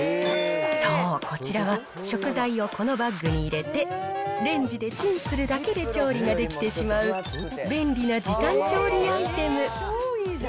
そう、こちらは、食材をこのバッグに入れて、レンジでチンするだけで調理ができてしまう、便利な時短調理アイテム。